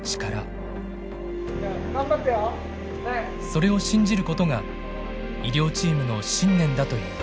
それを信じることが医療チームの信念だという。